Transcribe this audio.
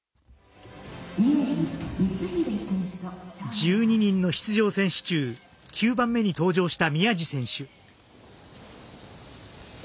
１２人の出場選手中９番目に登場した宮路選手。